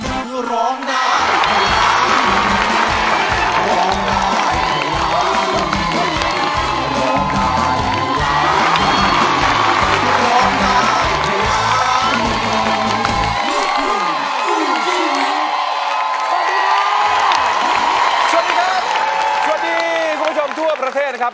สวัสดีครับสวัสดีคุณผู้ชมทั่วประเทศนะครับ